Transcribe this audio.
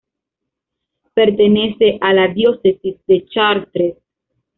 Pertenece a la diócesis de Chartres.